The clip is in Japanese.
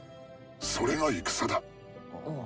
それが戦だ。